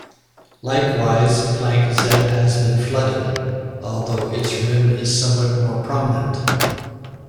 Likewise Planck Z has been flooded, although its rim is somewhat more prominent.